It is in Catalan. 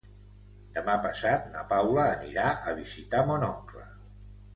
Demà passat na Paula anirà a visitar mon oncle.